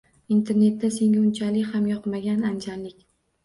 Internetda senga unchalik ham yoqmagan anjanlik